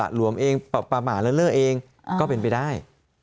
ละหลวมเองปลาหมาเลอะเองก็เป็นไปได้